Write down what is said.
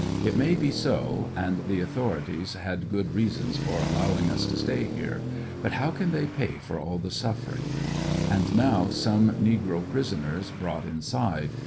It may be so, and the authorities liad good reasons for allowing us to slay here, but how can they pay for all the suffering? And now some negro] prisoners] brought inside.